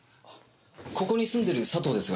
ここに住んでる佐藤ですが。